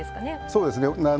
そうですね。